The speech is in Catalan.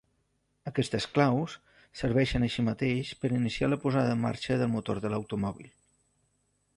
Aquestes claus serveixen així mateix per iniciar la posada en marxa del motor de l'automòbil.